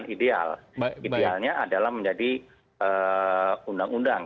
ideal idealnya adalah menjadi undang undang